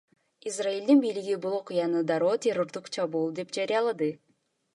Израилдин бийлиги бул окуяны дароо террордук чабуул деп жарыялады.